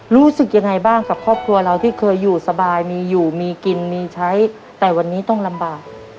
รู้สึกยังไงบ้างกับครอบครัวเราที่เคยอยู่สบายมีอยู่มีกินมีใช้แต่วันนี้ต้องลำบาก